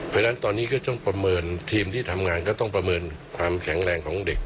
เพราะฉะนั้นตอนนี้ก็ต้องประเมินทีมที่ทำงานก็ต้องประเมินความแข็งแรงของเด็ก